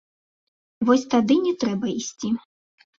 Вось тады не трэба ісці.